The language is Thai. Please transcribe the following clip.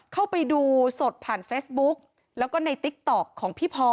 เข้าไปดูสดผ่านเฟซบุ๊กแล้วก็ในติ๊กต๊อกของพี่พอ